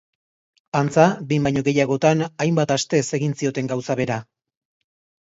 Antza, behin baino gehiagotan, hainbat astez, egin zioten gauza bera.